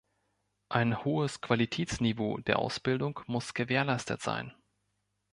Ein hohes Qualitätsniveau der Ausbildung muss gewährleistet sein.